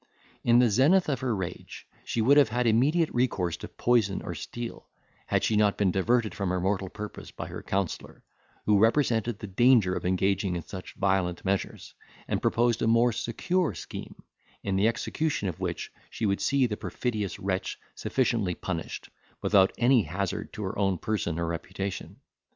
In the zenith of her rage, she would have had immediate recourse to poison or steel, had she not been diverted from her mortal purpose by her counsellor, who represented the danger of engaging in such violent measures, and proposed a more secure scheme, in the execution of which she would see the perfidious wretch sufficiently punished, without any hazard to her own person or reputation.